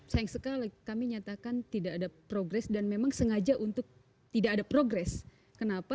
sayang sekali kami nyatakan tidak ada progres dan memang sengaja untuk tidak ada progres kenapa